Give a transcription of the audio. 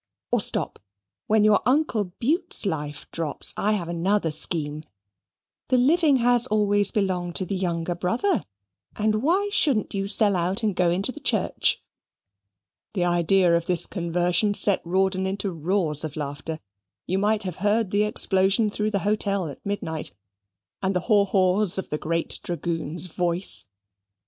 or, stop, when your uncle Bute's life drops, I have another scheme. The living has always belonged to the younger brother, and why shouldn't you sell out and go into the Church?" The idea of this conversion set Rawdon into roars of laughter: you might have heard the explosion through the hotel at midnight, and the haw haws of the great dragoon's voice.